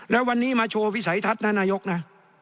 แล้ววันนี้มาโชว์วิสัยทัศน์นะนายกนะ